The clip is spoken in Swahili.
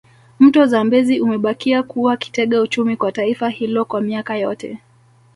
Mto Zambezi umebakia kuwa kitega uchumi kwa taifa hilo kwa miaka yote